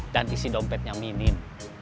dan isi dompetnya minim